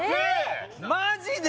マジで！？